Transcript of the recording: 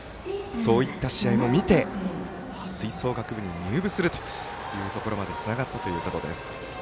そういった試合も見て吹奏楽部に入部するということまでつながったということです。